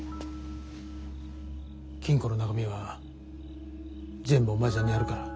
金庫の中身は全部お前さんにやるから。